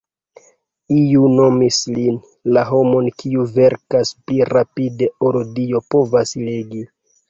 Iu nomis lin "la homon kiu verkas pli rapide ol Dio povas legi".